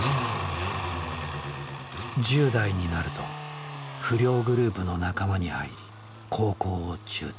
１０代になると不良グループの仲間に入り高校を中退。